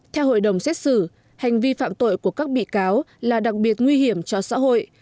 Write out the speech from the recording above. theo hội đồng xét xử hành vi phạm tội của các bị cáo là đặc biệt nguy hiểm cho xã hội